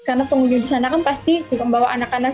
karena pengunjung di sana kan pasti juga membawa anak anak